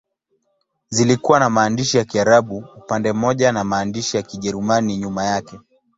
Zilikuwa na maandishi ya Kiarabu upande mmoja na maandishi ya Kijerumani nyuma yake.